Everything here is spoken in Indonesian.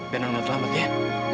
biar non gak terlambat ya